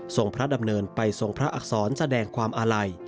พระดำเนินไปทรงพระอักษรแสดงความอาลัย